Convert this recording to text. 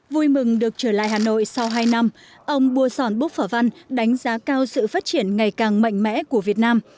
vui mừng được trở lại hà nội sau hai năm ông bua sòn búc phả văn đánh giá cao sự phát triển ngày càng mạnh mẽ của việt nam